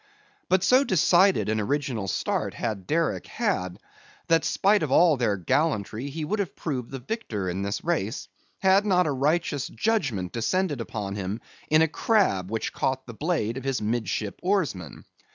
But so decided an original start had Derick had, that spite of all their gallantry, he would have proved the victor in this race, had not a righteous judgment descended upon him in a crab which caught the blade of his midship oarsman.